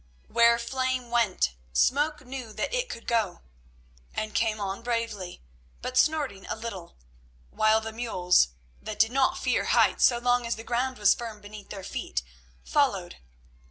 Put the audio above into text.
Where Flame went Smoke knew that it could go, and came on bravely, but snorting a little, while the mules, that did not fear heights so long as the ground was firm beneath their feet, followed.